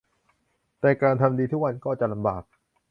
แต่การทำดีทุกวันก็จะลำบาก